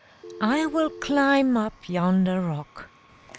I will climb up yonder rock."